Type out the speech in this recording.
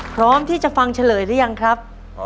พร้อมที่จะฟังเฉลยหรือยังครับ